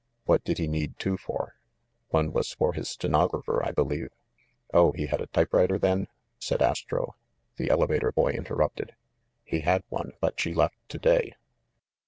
"What did he need two for?" "One was for his stenographer, I believe." "Oh, he had a typewriter, then?" said Astro. The elevator boy interrupted. "He had one, but she left to day."